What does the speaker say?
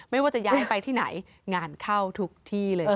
ไม่ว่าจะย้ายไปที่ไหนงานเข้าทุกที่เลย